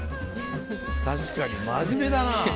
確かに真面目だな。